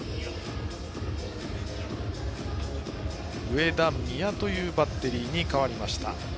上田、味谷というバッテリーに変わりました。